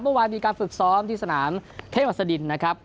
เมื่อวานมีการฝึกซ้อมที่สนามเทพหัสดินนะครับ